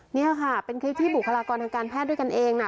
นี่ค่ะเป็นคลิปที่บุคลากรทางการแพทย์ด้วยกันเองนะ